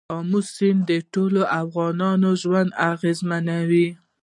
آمو سیند د ټولو افغانانو ژوند اغېزمن کوي.